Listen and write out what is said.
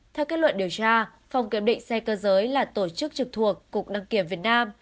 theo kết luận điều tra phòng kiểm định xe cơ giới là tổ chức trực thuộc cục đăng kiểm việt nam